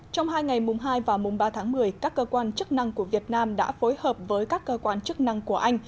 trong hai ngày mùng hai và mùng ba tháng một mươi các cơ quan chức năng của việt nam đã phối hợp với các cơ quan chức năng của anh